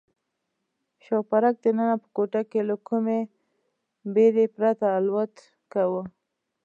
شوپرک دننه په کوټه کې له کومې بېرې پرته الوت کاوه.